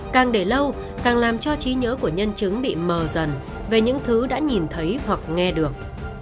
càng để lâu càng làm cho trí nhớ của nhân chứng bị mờ dần về những thứ đã nhìn thấy hoặc nghe được